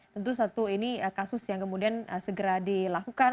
tentu satu ini kasus yang kemudian segera dilakukan